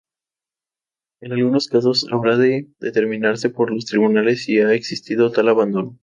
En algunos casos, habrá de determinarse por los tribunales si ha existido tal abandono.